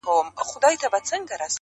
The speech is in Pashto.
پکښي ډلي د لوټمارو گرځېدلې،